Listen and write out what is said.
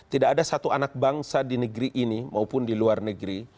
tidak ada satu anak bangsa di negeri ini maupun di luar negeri